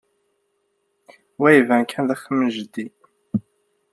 Wa iban kan d axxam n jeddi.